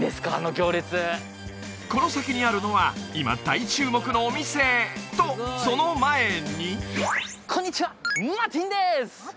この先にあるのは今大注目のお店とその前にこんにちはマーティンです！